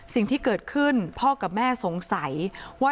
สิ่งที่เกิดขึ้นพ่อกับแม่สงสัยว่า